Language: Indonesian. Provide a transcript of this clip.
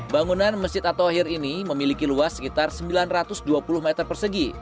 bangunan masjid at tohir ini memiliki luas sekitar sembilan ratus dua puluh meter persegi